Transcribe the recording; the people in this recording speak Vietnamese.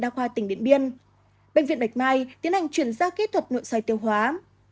đa khoa tỉnh điện biên bệnh viện bạch mai tiến hành chuyển giao kỹ thuật nội soi tiêu hóa